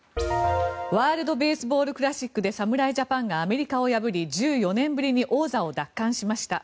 ワールド・ベースボール・クラシックで侍ジャパンがアメリカを破り１４年ぶりに王座を奪還しました。